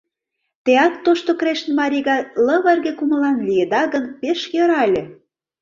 Теат Тошто Крешын марий гай лывырге кумылан лийыда гын, пеш йӧра ыле!